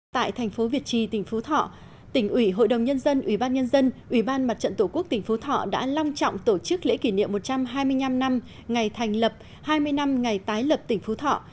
tại thành phố việt trì tỉnh phú thọ tỉnh ủy hội đồng nhân dân ủy ban nhân dân ủy ban mặt trận tổ quốc tỉnh phú thọ đã long trọng tổ chức lễ kỷ niệm một trăm hai mươi năm năm ngày thành lập hai mươi năm ngày tái lập tỉnh phú thọ